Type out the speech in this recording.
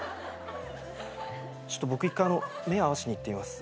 ちょっと僕１回目合わしにいってみます。